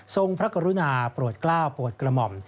พระกรุณาโปรดกล้าวโปรดกระหม่อม